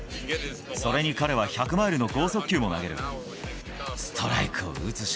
それに彼は１００マイルの豪速球も投げる。